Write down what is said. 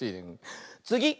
つぎ！